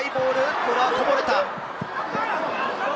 これはこぼれた。